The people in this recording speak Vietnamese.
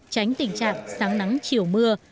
tránh tình trạng sáng nắng chiều mưa